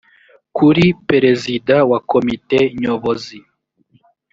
kuri perezida wa komite nyobozi